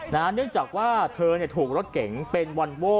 เนื่องจากว่าเธอเนี่ยถูกรถเก่งเป็นวัตโว่